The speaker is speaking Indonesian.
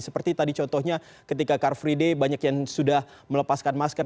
seperti tadi contohnya ketika car free day banyak yang sudah melepaskan masker